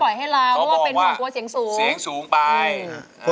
น้อยดูลายมอนมานี่ก่อน